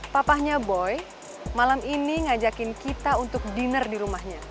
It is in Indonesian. papahnya boy malam ini ngajakin kita untuk dinner di rumahnya